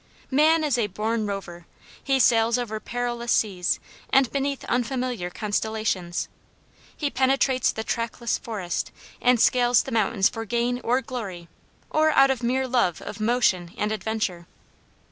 Man is a born rover. He sails over perilous seas and beneath unfamiliar constellations. He penetrates the trackless forest and scales the mountains for gain or glory or out of mere love of motion and adventure.